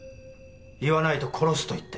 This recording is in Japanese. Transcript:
言わないと殺すと言って。